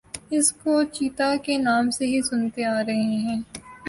اس کو چیتا کے نام سے ہی سنتے آرہے ہیں